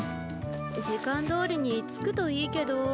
時間どおりに着くといいけど。